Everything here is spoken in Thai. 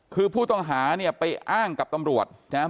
คือผู้ต้องหาเนี่ยไปอ้างกับตำรวจนะครับ